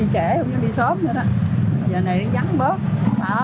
chợ này nhắn quá không có đâu